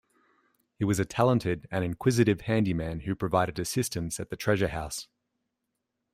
He was a talented and inquisitive handyman who provided assistance at the Treasure House.